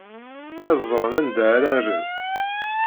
Ad ẓren anda ara rren.